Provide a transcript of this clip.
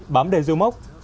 bám đầy rưu mốc